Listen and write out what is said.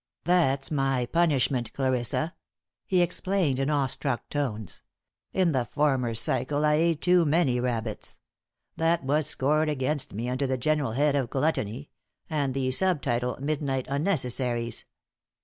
"That's my punishment, Clarissa," he explained, in awe struck tones. "In the former cycle I ate too many rabbits. That was scored against me, under the general head of 'Gluttony,' and the sub title 'Midnight Unnecessaries.